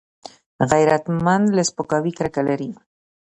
غیرتمند له سپکاوي کرکه لري